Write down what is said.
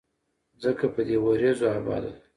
ځمکه په دې وريځو اباده ده